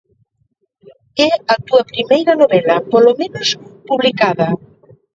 É a túa primeira novela, polo menos publicada.